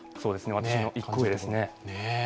私の１個上ですね。